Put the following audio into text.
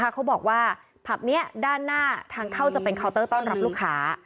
เขาบอกว่าผับนี้ด้านหน้าทางเข้าจะเป็นเคาน์เตอร์ต้อนรับลูกค้า